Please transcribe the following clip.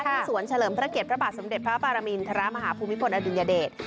ที่สวนเฉลิมภรรรกิจพระบาทสมเด็จพระปารมีนทรมาฮาภูมิผลอดุญเดช